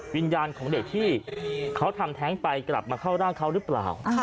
วิญญาณของเด็กที่เขาทำแท้งไปกลับมาเข้าร่างเขาหรือเปล่า